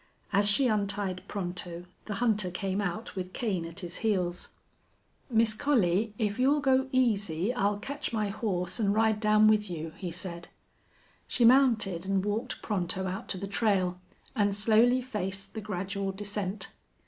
As she untied Pronto the hunter came out with Kane at his heels. "Miss Collie, if you'll go easy I'll ketch my horse an' ride down with you," he said. She mounted, and walked Pronto out to the trail, and slowly faced the gradual descent.